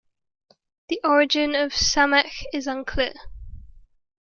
The origin of Samekh is unclear.